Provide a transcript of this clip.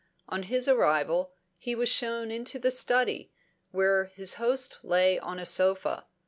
On his arrival, he was shown into the study, where his host lay on a sofa.